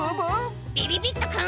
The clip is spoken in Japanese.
びびびっとくん。